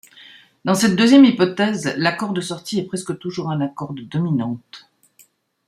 Dans cette deuxième hypothèse, l'accord de sortie est presque toujours un accord de dominante.